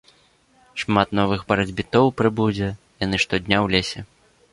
Шмат новых барацьбітоў прыбудзе, яны штодня ў лесе.